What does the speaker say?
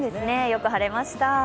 よく晴れました。